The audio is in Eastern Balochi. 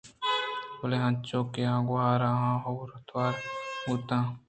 بلے انچو کہ آ گوٛر آہاں ہور ءُ تور بُوتاں